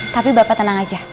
tapi bapak tenang aja